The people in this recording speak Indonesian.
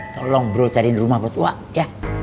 tolong bro cariin rumah buat wah ya